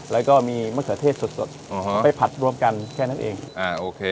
แล้วก็มีมะเขือเทศสดสดอ๋อฮะไปผัดรวมกันแค่นั้นเองอ่าโอเค